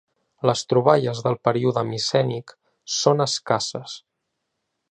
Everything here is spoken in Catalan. Les troballes del període micènic són escasses.